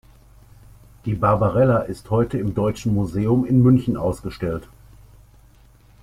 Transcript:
Die Barbarella ist heute im Deutschen Museum in München ausgestellt.